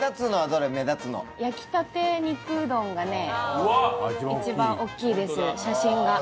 焼きたて肉うどんがね一番大きいです写真が。